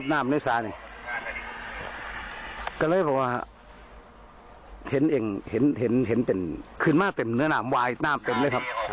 ก็เลยแบบว่าเพราะว่าเห็นเอ็งเห็นเห็นเป็นขึ้นมาเต็มเนื้อนามวายหน้าเพิ่มเลยครับ